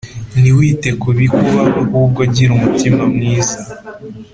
ntiwite kubikubaho ahubwo gira umutima mwiza